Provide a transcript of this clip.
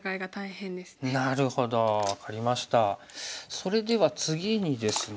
それでは次にですね